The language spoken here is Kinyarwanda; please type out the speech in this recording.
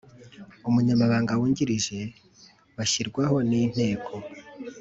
Umunyamabanga Wungirije bashyirwaho n Inteko